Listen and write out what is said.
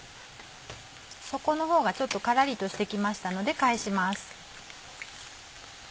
底の方がちょっとカラリとしてきましたので返します。